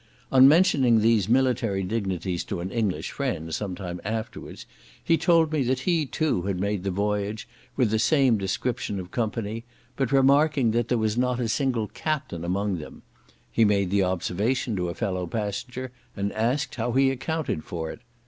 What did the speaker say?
On mentioning these military dignities to an English friend some time afterwards, he told me that he too had made the voyage with the same description of company, but remarking that there was not a single captain among them; he made the observation to a fellow passenger, and asked how he accounted for it.